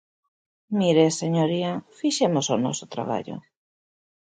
Mire, señoría, fixemos o noso traballo.